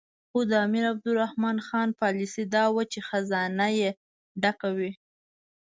خو د امیر عبدالرحمن خان پالیسي دا وه چې خزانه یې ډکه وي.